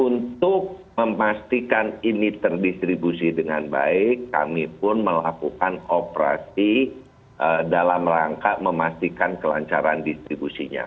untuk memastikan ini terdistribusi dengan baik kami pun melakukan operasi dalam rangka memastikan kelancaran distribusinya